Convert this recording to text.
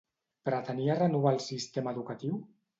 Pretenia renovar el sistema educatiu?